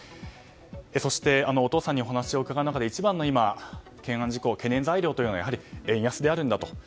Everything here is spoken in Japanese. そして、お父さんにお話を伺う中で一番の今、懸念材料というのはやはり円安であるんだと。